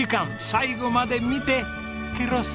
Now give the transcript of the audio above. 最後まで見てケロス。